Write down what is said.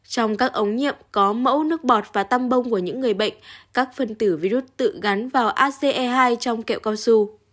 trong các ống nhiệm có mẫu nước bọt và tăm bông của những người bệnh các phần tử virus tự gắn vào ace hai trong kẹo cao su